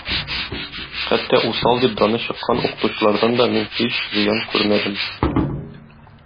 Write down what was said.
Хәтта усал дип даны чыккан укытучылардан да мин һич зыян күрмәдем.